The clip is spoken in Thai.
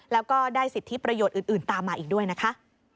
แล้วก็ได้สิทธิประโยชน์อื่นตามมาอีกด้วยนะคะ